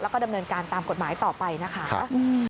แล้วก็ดำเนินการตามกฎหมายต่อไปนะคะ